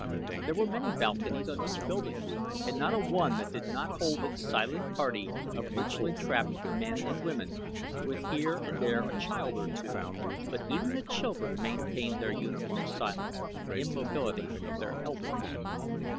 There were many balconies on each building and not a one that did not hold its silent party of richly trapped men and women, with here and there a child or two, but even the children maintained the uniform silence and immobility of their elders.